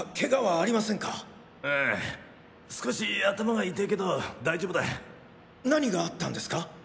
あぁ少し頭が痛てぇけど大丈夫だ。何があったんですか？